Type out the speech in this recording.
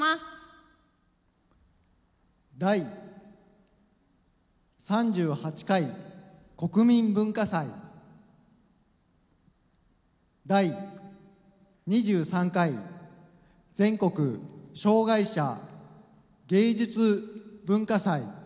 「第３８回国民文化祭」「第２３回全国障害者芸術・文化祭」。